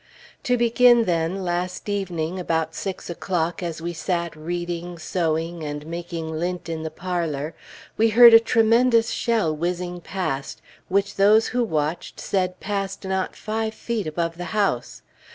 To begin, then, last evening, about six o'clock, as we sat reading, sewing, and making lint in the parlor, we heard a tremendous shell whizzing past, which those who watched, said passed not five feet above the house.